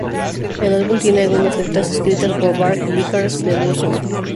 El álbum tiene algunas letras escritas por Varg Vikernes de Burzum.